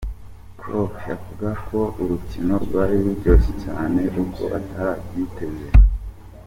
Klopp avuga ko urukino rwari ruryoshe cane uko ataravyiteze.